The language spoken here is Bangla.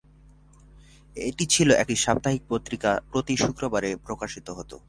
এটি ছিল একটি সাপ্তাহিক পত্রিকা, প্রতি শুক্রবারে প্রকাশিত হতো।